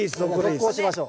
続行しましょう。